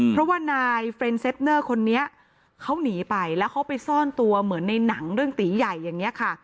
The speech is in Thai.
เพราะว่านายเค้าหนีไปแล้วเขาไปซ่อนตัวเหมือนในหนังเรื่องตีใหญ่อย่างเงี้ยค่ะ